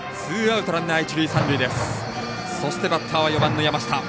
そして、バッターは４番の山下。